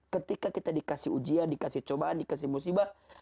ketika kita dikasih ujian dikasih cobaan dikasih musibah